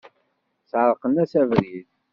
Sεerqen-as abrid.